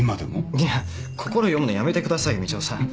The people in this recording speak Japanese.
いや心読むのやめてくださいみちおさん。